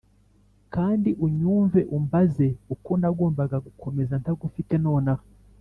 kandi unyumve umbaze uko nagombaga gukomeza ntagufite nonaha?